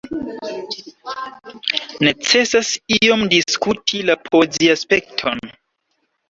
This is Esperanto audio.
Necesas iom diskuti la poeziaspekton.